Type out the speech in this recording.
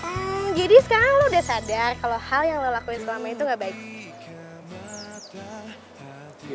oh jadi sekarang lo udah sadar kalau hal yang lo lakuin selama itu gak baik